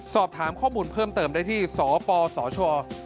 สอบถามข้อมูลเพิ่มเติมได้ที่สปสช